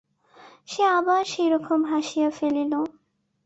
সে আবার সেই রকম হাসিয়া ফেলিল।